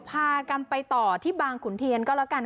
พากันไปต่อที่บางขุนเทียนก็แล้วกัน